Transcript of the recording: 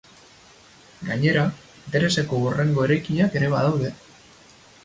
Gainera, intereseko hurrengo eraikinak ere badaude.